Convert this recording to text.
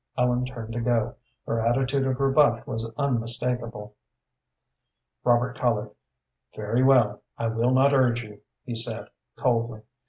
Ellen turned to go. Her attitude of rebuff was unmistakable. Robert colored. "Very well; I will not urge you," he said, coldly.